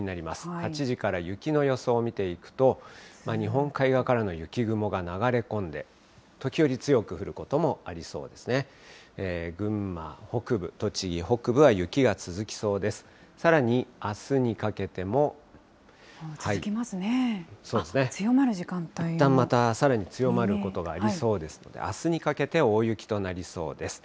８時から雪の予想を見ていくと、日本海側からの雪雲が流れ込んで、時折強く降ることもありそうですね。